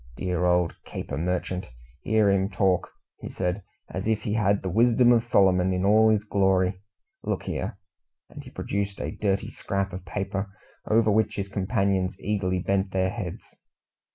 "Dear old caper merchant! Hear him talk!" said he, "as if he had the wisdom of Solomon in all his glory? Look here!" And he produced a dirty scrap of paper, over which his companions eagerly bent their heads.